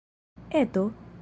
Eto?